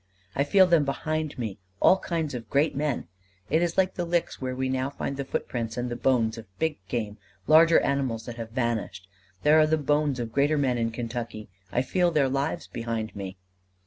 I feel them behind me all kinds of great men. It is like the licks where we now find the footprints and the bones of big game, larger animals that have vanished. There are the bones of greater men in Kentucky: I feel their lives behind me."